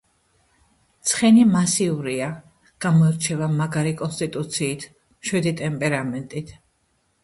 ცხენი მასიურია, გამოირჩევა მაგარი კონსტიტუციით, მშვიდი ტემპერამენტით.